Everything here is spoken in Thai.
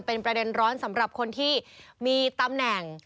เป็นประเด็นร้อนสำหรับคนที่มีตำแหน่ง